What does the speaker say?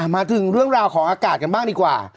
มาถึงเรื่องราวของอากาศกันบ้างดีกว่า